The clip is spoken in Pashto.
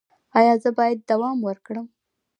ایا زه باید دوام ورکړم؟